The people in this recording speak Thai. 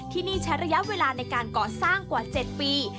ที่นี่ใช้ระยะเวลาในการก่อสร้างกว่า๗ปี